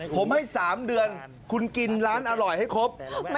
ผมให้๓เดือนคุณกินร้านอร่อยให้ครบ